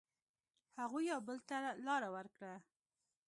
هغوی یو بل ته لاره ورکړه.